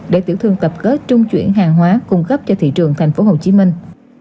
để tiểu thương tập kết trung chuyển hàng hóa cung cấp cho thị trường thành phố hồ chí minh